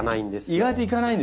意外といかないんですか？